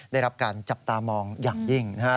ได้รับการจับตามองอย่างยิ่งนะครับ